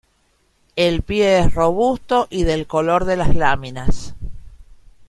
El pie es robusto y del color de las láminas.